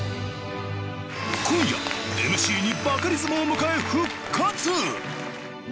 今夜ＭＣにバカリズムを迎え復活！